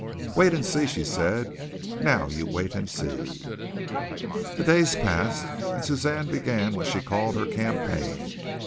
"Wait and see," she said. "Now you wait and see." The days passed and Suzanne began what she called her campaign.